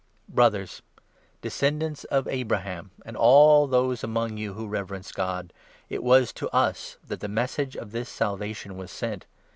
Brothers, 26 descendants of Abraham, and all those among you who re verence God, it was to us that the Message of this Salvation was sent.